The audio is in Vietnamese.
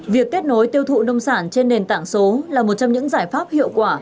việc kết nối tiêu thụ nông sản trên nền tảng số là một trong những giải pháp hiệu quả